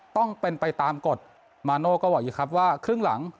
ต้องเป็นไปตามกฎมาโน่ก็บอกอยู่ครับว่าครึ่งหลัง